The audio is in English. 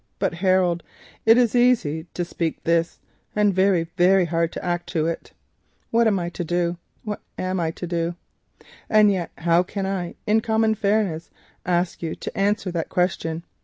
But, Harold, it is easy to speak thus, and very, very hard to act up to it. What am I to do? What am I to do? And yet how can I in common fairness ask you to answer that question?